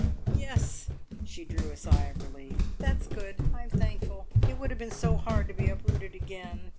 "Yes." She drew a sigh of relief. "That's good. I'm thankful. It would have been so hard to be uprooted again.